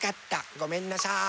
ごめんなさい。